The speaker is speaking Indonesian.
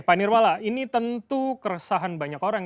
pak nirwala ini tentu keresahan banyak orang